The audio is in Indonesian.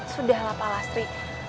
sudahlah pak lastri